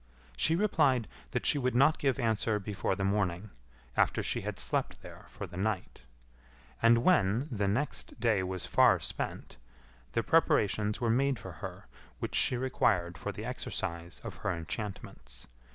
She replied that she would not give answer before the morning, after she had slept there for the night. And when the (next) day was far spent, the preparations were made for her which she required for the exercise of her enchantments.